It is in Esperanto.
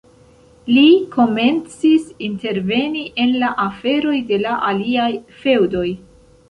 Li komencis interveni en la aferoj de la aliaj feŭdoj.